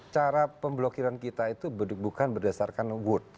cara pemblokiran kita itu bukan berdasarkan world